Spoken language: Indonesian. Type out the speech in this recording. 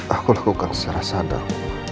aku lakukan secara sadar